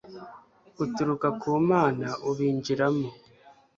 uturuka ku Mana ubinjiramo